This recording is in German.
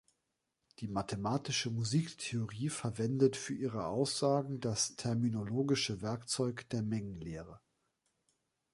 Die mathematische Musiktheorie verwendet für ihre Aussagen das terminologische Werkzeug der Mengenlehre.